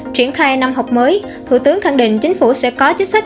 triển khai năm học mới thủ tướng khẳng định chính phủ sẽ có chính sách